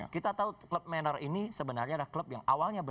kita tahu klub menor ini sebenarnya adalah klub yang awalnya yang dulu